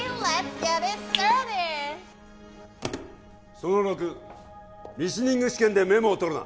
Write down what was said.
その６リスニング試験でメモを取るな